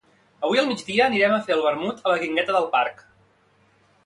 Avui al migdia anirem a fer el vermut a la guingueta del parc